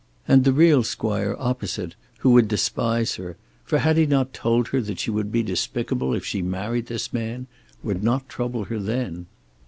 And the real squire opposite, who would despise her, for had he not told her that she would be despicable if she married this man, would not trouble her then.